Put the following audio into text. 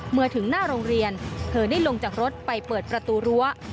เมื่อถึงหน้าโรงเรียนเธอได้ลงจากรถไปเปิดประตูรั้ว